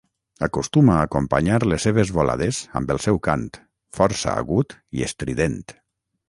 Acostuma a acompanyar les seves volades amb el seu cant, força agut i estrident.